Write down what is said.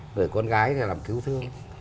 người con gái thì làm cứu thương